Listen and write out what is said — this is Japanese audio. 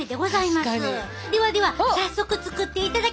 ではでは早速作っていただきましょうかね。